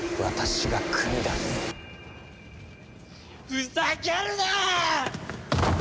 ふざけるな！